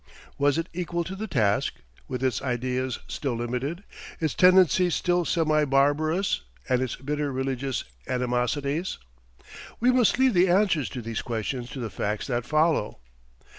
Was it equal to the task, with its ideas still limited, its tendencies still semi barbarous, and its bitter religious animosities? We must leave the answer to these questions to the facts that follow.